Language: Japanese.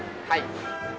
はい。